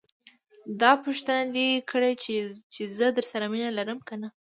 داح پوښتنه دې کړې چې زه درسره مينه لرم که نه.